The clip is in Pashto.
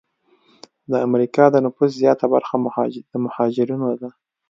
د امریکا د نفوسو زیاته برخه د مهاجرینو ده.